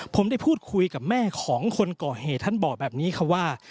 ผมได้พูดคุยกับแม่ของคนก่อเหตุท่านบอกแบบนี้ค่ะว่า